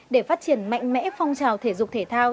để phát triển mạnh mẽ phong trào thể dục thể thao